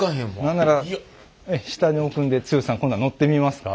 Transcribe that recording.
なんなら下に置くんで剛さん今度は乗ってみますか？